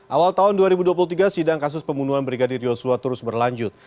awal tahun dua ribu dua puluh tiga sidang kasus pembunuhan brigadir yosua terus berlanjut